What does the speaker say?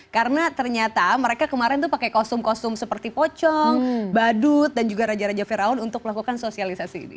karena ternyata mereka kemarin itu pakai kostum kostum seperti pocong badut dan juga raja raja feraun untuk melakukan sosialisasi